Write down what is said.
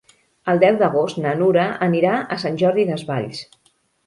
El deu d'agost na Nura anirà a Sant Jordi Desvalls.